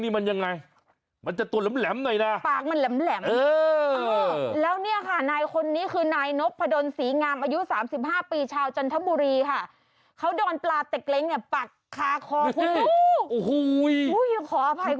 มันจะตัวแหลมหน่อยนะปากมันแหลมแล้วเนี่ยค่ะนายคนนี้คือนายนกพะดนศรีงามอายุ๓๕ปีชาวจันทบุรีค่ะเขาดอนปลาเต็กเล้งปากคาคอคุ้ยขออภัยคุณผู้ชม